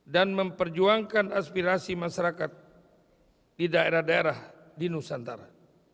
dan memperjuangkan aspirasi masyarakat di daerah daerah di nusantara